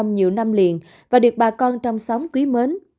nhiều năm liền và được bà con trong xóm quý mến